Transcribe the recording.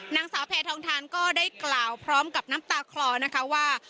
นางสาวแพทองทานก็ได้กล่าวพร้อมกับน้ำตาคลอนะคะว่า